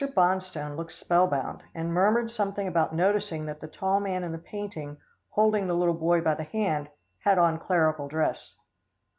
Bonstone looked spellbound, and murmured something about noticing that the tall man in the painting, holding the little boy by the hand, had on clerical dress.